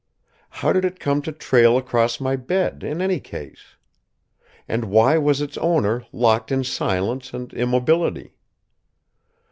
How did it come to trail across my bed, in any case? And why was its owner locked in silence and immobility?